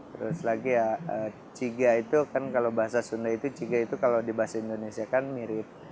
terus lagi ya ciga itu kan kalau bahasa sunda itu ciga itu kalau di bahasa indonesia kan mirip